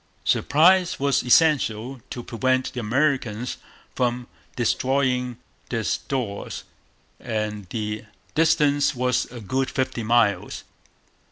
Surprise was essential, to prevent the Americans from destroying their stores; and the distance was a good fifty miles.